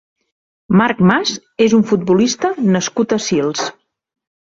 Marc Mas és un futbolista nascut a Sils.